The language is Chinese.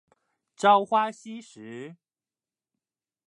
朝花夕拾